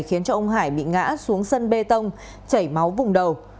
khiến ông hải bị ngã xuống sân bê tông chảy máu vùng đầu